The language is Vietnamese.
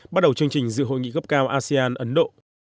bắt đầu chương trình dự hội nghị cấp cao asean ấn độ